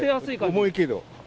重いけど。